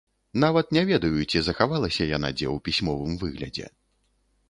Нават не ведаю, ці захавалася яна дзе ў пісьмовым выглядзе.